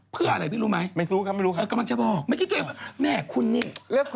เพื่ออะไรพี่รู้ไหมกำลังจะบอกแม่คุณนี่ไม่รู้ครับไม่รู้ครับ